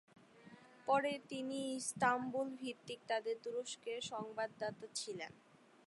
পরে তিনি ইস্তাম্বুল ভিত্তিক তাদের তুরস্কের সংবাদদাতা ছিলেন।